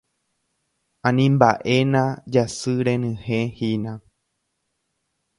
Animba'éna jasy renyhẽ hína.